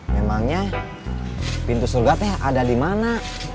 memangnya pintu surga teh ada di mana